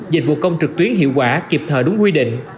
dịch vụ công trực tuyến hiệu quả kịp thời đúng quy định